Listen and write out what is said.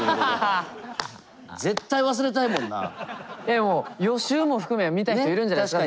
でも予習も含め見たい人いるんじゃないですか。